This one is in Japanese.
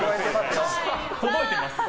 届いてますよ。